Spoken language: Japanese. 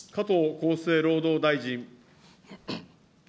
厚生労働大臣。